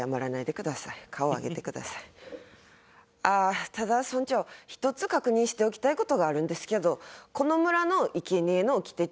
ああただ村長１つ確認しておきたい事があるんですけどこの村の生贄の掟